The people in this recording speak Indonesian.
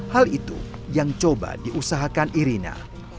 hal itu yang coba diusahakan irina